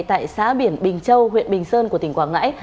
tại xã biển bình châu huyện bình sơn của tỉnh quảng ngãi